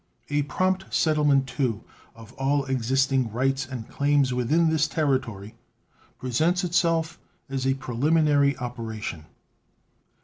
A prompt settlement, too, of all existing rights and claims within this territory presents itself as a preliminary operation.